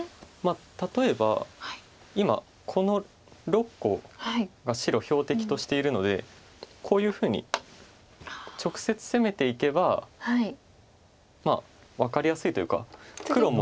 例えば今この６個が白標的としているのでこういうふうに直接攻めていけば分かりやすいというか黒も。